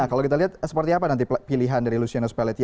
nah kalau kita lihat seperti apa nanti pilihan dari luciano spalletti